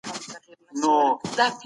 روغتیا پوهان اعتدال سپارښتنه کوي.